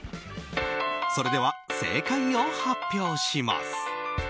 それでは正解を発表します。